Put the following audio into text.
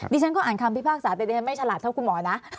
ฉันก็อ่านคำพิพากษาแต่ดิฉันไม่ฉลาดเท่าคุณหมอนะ